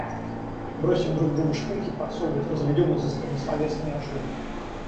Бросим друг другу шпильки подсовывать, разведем изысканный словесный ажур.